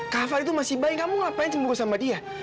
kafal itu masih baik kamu ngapain cemburu sama dia